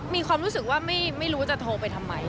มีความรู้สึกว่าไม่รู้จะโทรไปทำไม